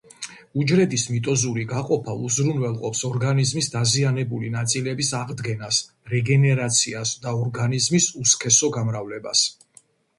უჯრედის მიტოზური გაყოფა უზრუნველყოფს ორგანიზმის დაზიანებული ნაწილების აღდგენას -რეგენერაციას და ორგანიზმის უსქესო გამრავლებას.